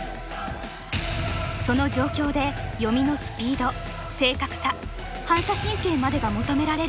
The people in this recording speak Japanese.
その状況で読みのスピード正確さ反射神経までが求められる。